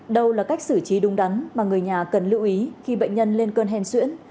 đâu là cách xử trí đúng đắn mà người nhà cần lưu ý khi bệnh nhân lên cơn hen xuyễn